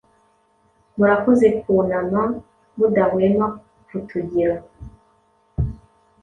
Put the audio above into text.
murakoze kunama mudahwema kutugira